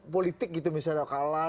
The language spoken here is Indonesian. politik gitu misalnya kalah